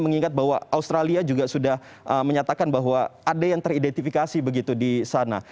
mengingat bahwa australia juga sudah menyatakan bahwa ada yang teridentifikasi begitu di sana